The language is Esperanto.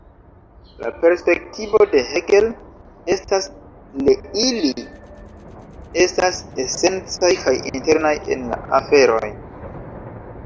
La perspektivo de Hegel estas le ili estas esencaj kaj internaj en la aferoj.